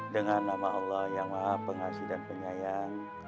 dengan nama allah yang maha pengasih dan penyayang